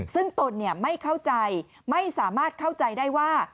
ซึ่งตนไม่เข้าใจไม่สามารถเข้าใจได้ว่า